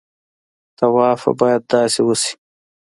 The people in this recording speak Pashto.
طواف باید داسې وشي.